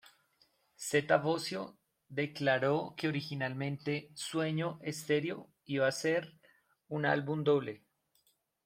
Zeta Bosio declaró que originalmente "Sueño Stereo" iba a ser un álbum doble.